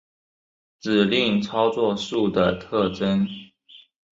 指令操作数的特征